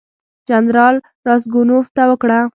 جنرال راسګونوف ته وکړه.